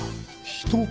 人？